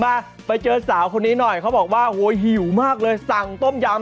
มาไปเจอสาวคนนี้หน่อยเขาบอกว่าโหหิวมากเลยสั่งต้มยำ